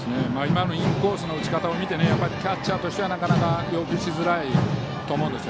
インコースの打ち方を見てキャッチャーとしては要求しづらいと思うんです。